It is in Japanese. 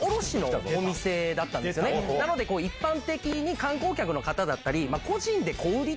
なので一般的に観光客の方だったり。